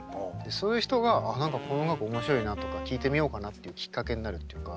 そういう人があっ何かこの音楽面白いなとか聴いてみようかなっていうきっかけになるっていうか。